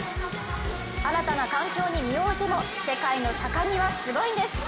新たな環境に身を置いても世界の高木はすごいんです。